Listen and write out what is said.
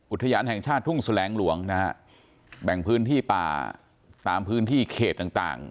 อุทยานแห่งชาติทุ่งแสลงหลวงนะฮะแบ่งพื้นที่ป่าตามพื้นที่เขตต่าง